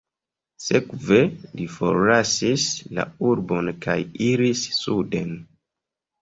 Sekve li forlasis la urbon kaj iris suden.